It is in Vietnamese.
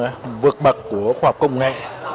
với sự phát triển vượt bậc của khoa học công nghệ